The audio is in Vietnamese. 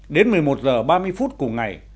đến một mươi một h ba mươi phút cùng ngày